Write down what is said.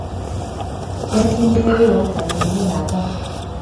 Ke nfunyeeyo ka ŋŋende nako.